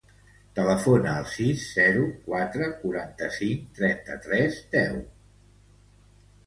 Telefona al sis, zero, quatre, quaranta-cinc, trenta-tres, deu.